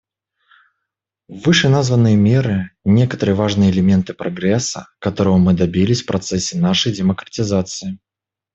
Вышеназванные меры — некоторые важные элементы прогресса, которого мы добились в процессе нашей демократизации.